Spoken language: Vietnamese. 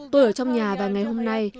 tôi ở trong nhà và ngày hôm nay